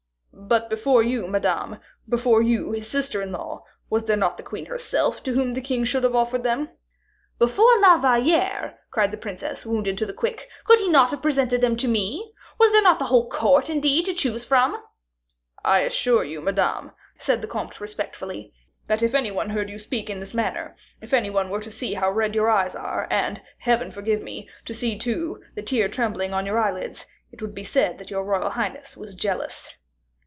"But before you, Madame, before you, his sister in law, was there not the queen herself to whom the king should have offered them?" "Before La Valliere," cried the princess, wounded to the quick, "could he not have presented them to me? Was there not the whole court, indeed, to choose from?" "I assure you, Madame," said the comte, respectfully, "that if any one heard you speak in this manner, if any one were to see how red your eyes are, and, Heaven forgive me, to see, too, that tear trembling on your eyelids, it would be said that your royal highness was jealous."